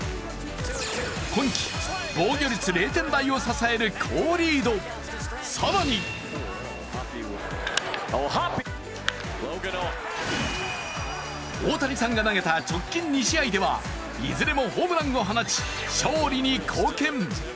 今季、防御率０点台を支える好リード、更に大谷さんが投げた直近２試合ではいずれもホームランを放ち、勝利に貢献。